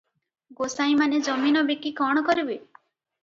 ଗୋସାଇଁମାନେ ଜମି ନ ବିକି କ'ଣ କରିବେ ।